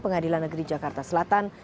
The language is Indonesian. pengadilan negeri jakarta selatan